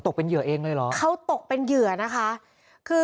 เขาตกเป็นเหยื่อเองเลยเหรอ